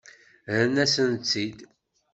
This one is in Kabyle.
Rrant-asen-tt-id.